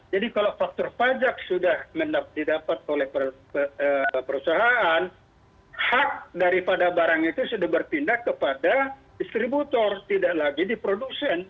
jadi kalau faktor pajak sudah didapat oleh perusahaan hak daripada barang itu sudah bertindak kepada distributor tidak lagi di produksi